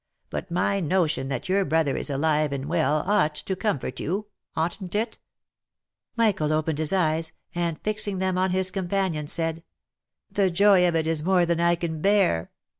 But my notion that your brother is alive and well, ought to comfort you — oughtn't it?" Michael opened his eyes, and fixing them on his companion, said 7 " The joy of it is more than I can bear